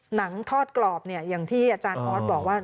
หนังทอดกรอบเนี่ยอย่างที่อาจารย์ออสบอกว่า